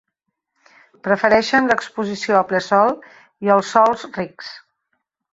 Prefereixen l’exposició a ple sol i els sòls rics.